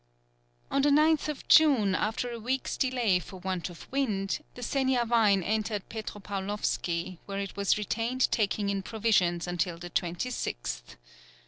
On the 9th June, after a week's delay for want of wind, the Seniavine entered Petropaulovsky, where it was retained taking in provisions until the 26th.